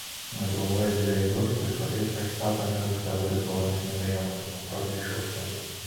На другой ад дзвярэй дошцы хлапец прачытаў паміж густа выдрукаваных незнаёмых яму прозвішчаў сваё.